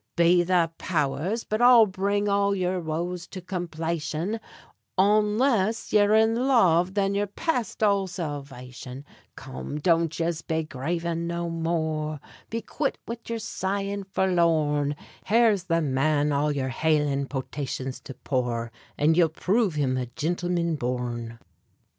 Be the powers! but I'll bring all yer woes to complation, Onless yer in love thin yer past all salvation! Coom, don't yez be gravin' no more! Be quit wid yer sighin' forlorn; Here's the man all yer haling potations to pour, And ye'll prove him a gintleman born III.